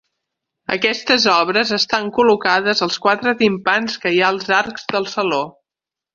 Aquestes obres estan col·locades als quatre timpans que hi ha als arcs del saló.